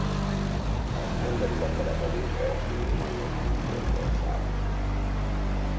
Az emberi letelepedés első nyomai az újkorból származnak.